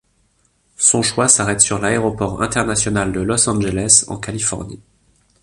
Son choix s'arrête sur l'Aéroport international de Los Angeles, en Californie.